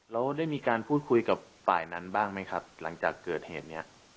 แล้วได้มีการพูดคุยกับฝ่ายนั้นบ้างไหมครับหลังจากเกิดเหตุนี้